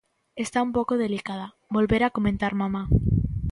"Está un pouco delicada", volvera comentar mamá."